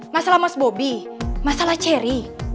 masalah mas bobi masalah cherry